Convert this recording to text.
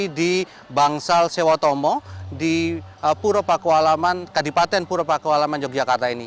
pertanyaannya juga yang dikatakan oleh banksal sewatomo di purwakualaman kadipaten purwakualaman yogyakarta ini